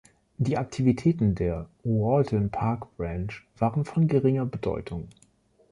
Die Aktivitäten der Walton Park Branch waren von geringer Bedeutung.